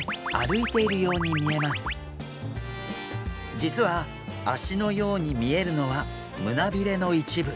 実は足のように見えるのは胸びれの一部。